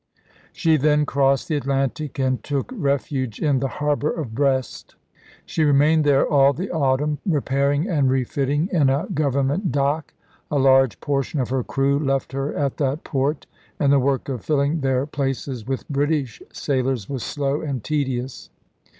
She then crossed the Atlantic and took refuge in the harbor of Brest. She remained there all the autumn, repairing and refitting in a government dock. A large portion of her crew left her at that port, and the work of filling their places with British sailors was slow and tedious.